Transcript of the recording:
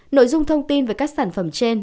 nội dung thông tin về các sản phẩm trên